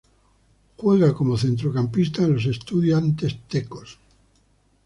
Juega como Centrocampista en los Estudiantes Tecos.